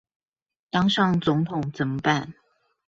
當上總統怎麼辦？